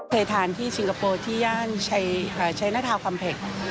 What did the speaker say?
เฉยทานที่ซิงคโปร์ที่ย่างชัยนาธาวความเผ็ด